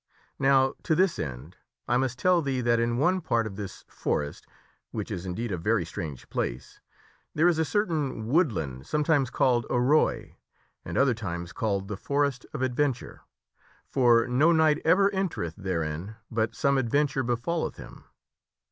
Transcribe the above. Now to this end I must tell thee that in one part of this forest (which is, indeed, a very strange place) there is a certain woodland some times called Arroy, and other times called the Forest of Adventure. For no knight ever entereth therein but some adventure befalleth him.